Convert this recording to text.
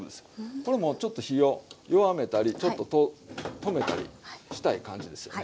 これもうちょっと火を弱めたりちょっと止めたりしたい感じですよね。